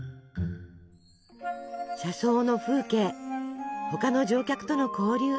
車窓の風景他の乗客との交流。